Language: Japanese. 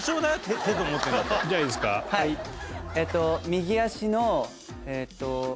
右足のえっと。